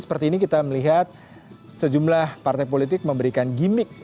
seperti ini kita melihat sejumlah partai politik memberikan gimmick